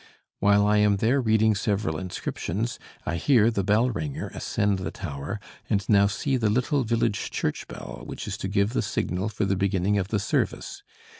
While I am there reading several inscriptions, I hear the bell ringer ascend the tower, and now see the little village church bell which is to give the signal for the beginning of the service.